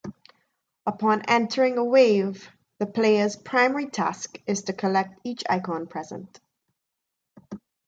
Upon entering a wave, the player's primary task is to collect each icon present.